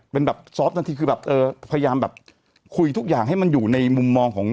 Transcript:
เป็นแบบซอฟต์ทันทีคือแบบเออพยายามแบบคุยทุกอย่างให้มันอยู่ในมุมมองของ